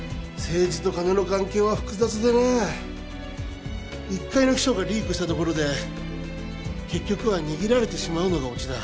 政治と金の関係は複雑でねぇ一介の秘書がリークしたところで結局は逃げられてしまうのがオチだ